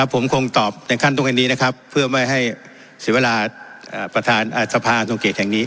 ผมคงตอบในขั้นตรงอันนี้นะครับเพื่อไม่ให้เสียเวลาประธานสภาทรงเกตแห่งนี้